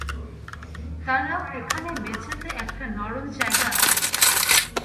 দাঁড়াও, এখানে মেঝেতে একটা নরম জায়গা আছে।